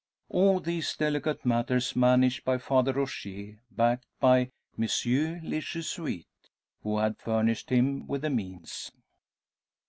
All these delicate matters, managed by Father Rogier, backed by Messieurs les Jesuites, who had furnished him with the means!